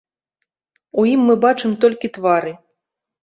У ім мы бачым толькі твары.